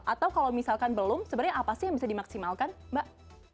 atau kalau misalkan belum sebenarnya apa sih yang bisa dimaksimalkan mbak